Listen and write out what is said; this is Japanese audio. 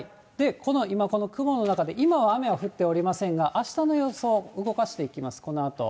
今この雲の中で、今は雨は降っておりませんが、あしたの予想、動かしていきます、このあと。